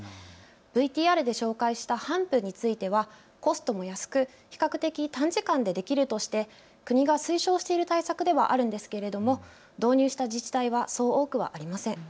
ＶＴＲで紹介したハンプについてはコストも安く比較的短時間でできるとして国が推奨している対策ではあるんですけれども導入した自治体はそう多くはありません。